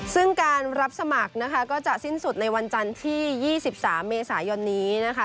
ซึ่งการรับสมัครนะคะก็จะสิ้นสุดในวันจันทร์ที่๒๓เมษายนนี้นะคะ